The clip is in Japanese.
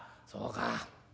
そうか。